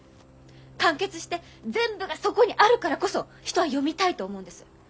完結して全部がそこにあるからこそ人は読みたいと思うんです。